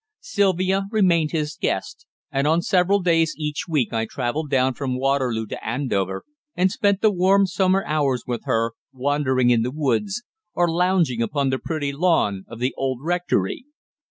Sylvia remained his guest, and on several days each week I travelled down from Waterloo to Andover and spent the warm summer hours with her, wandering in the woods, or lounging upon the pretty lawn of the old rectory.